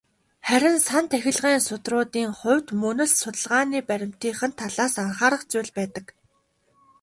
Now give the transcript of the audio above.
Харин "сан тахилгын судруудын" хувьд мөн л судалгааны баримтынх нь талаас анхаарах зүйлс байдаг.